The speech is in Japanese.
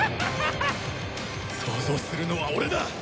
創造するのは俺だ！